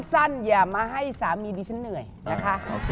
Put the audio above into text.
อย่ามาให้สามีดิฉันเหนื่อยนะคะ